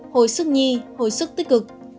hồi sức nhi hồi sức tích cực